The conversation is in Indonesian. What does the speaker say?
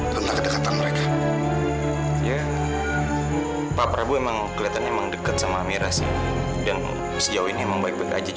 kamu udah pernah belum ngerasain patah hati